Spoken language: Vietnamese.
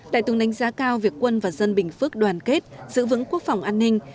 đại tướng đánh giá cao việc quân và dân bình phước đoàn kết giữ vững quốc phòng an ninh